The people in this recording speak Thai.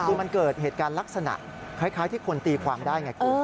คือมันเกิดเหตุการณ์ลักษณะคล้ายที่คนตีความได้ไงคุณ